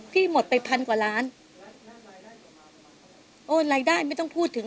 ที่หมดไปพันกว่าร้าน